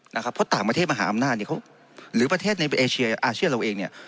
นะครับเพราะต่างประเทศมหาอำนาศน์เขาหรือประเทศในอาเชียเราเองเนี่ย